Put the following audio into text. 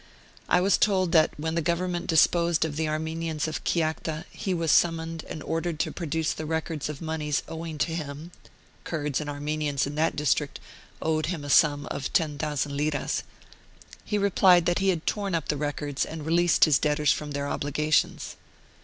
1 was told that when the Government dis posed of the Ai menians of Kiakhta he was sum moned and ordered to produce the records of moneys owing to him (Kurds and Armenians in that district owed him a sum of 10,000 liras); he replied that he had torn up the records and released his debtors from their obligations.